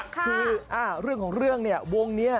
ใช่อ่ะเรื่องของเรื่องวงนี้